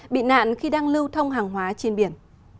bị nạn khi đang lưu thông hàng hóa trên biển